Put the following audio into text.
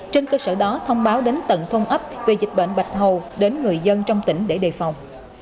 trên cơ sở đó thông báo đến tận thôn ấp về dịch bệnh bạch hầu đến người dân trong tỉnh để đề phòng